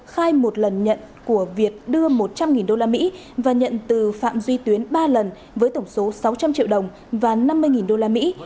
khai một lần nhận của việt đưa một trăm linh đô la mỹ và nhận từ phạm duy tuyến ba lần với tổng số sáu trăm linh triệu đồng và năm mươi đô la mỹ